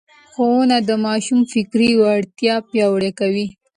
ښوونه د ماشوم فکري وړتیا پياوړې کوي.